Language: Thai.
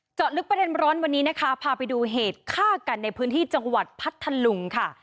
เจาะลึกประเด็นร้อนวันนี้นะคะพาไปดูเหตุฆ่ากันในพื้นที่จังหวัดพัทธลุงค่ะ